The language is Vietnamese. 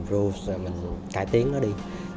rồi mình cải tiến nó đi